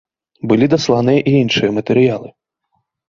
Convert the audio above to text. Былі дасланыя і іншыя матэрыялы.